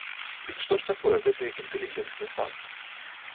Дык што ж такое гэты інтэлігентны панк?